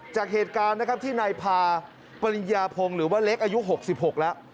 จากเหตุการณ์นะครับที่นายพาปริญญาพงศ์หรือว่าเล็กอายุ๖๖แล้ว